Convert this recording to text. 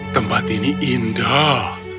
tempat ini indah